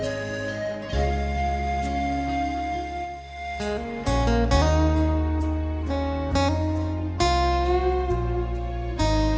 โทษทีได้ได้ดีได้ได้ดี